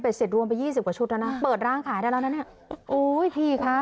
เสร็จรวมไปยี่สิบกว่าชุดแล้วนะเปิดร้านขายได้แล้วนะเนี่ยโอ้ยพี่คะ